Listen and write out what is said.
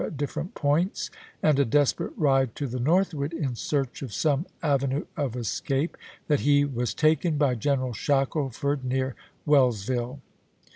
at different points, and a desperate ride to the northward in search of some avenue of escape, that he was taken by General Shackleford near Wells ville.